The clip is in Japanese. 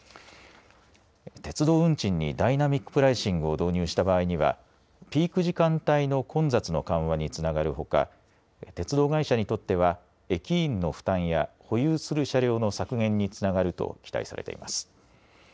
鉄道運賃にダイナミックプライシングを導入した場合には、ピーク時間帯の混雑の緩和につながるほか、鉄道会社にとっては、駅員の負担や保有する車両の削減につながると期待されています。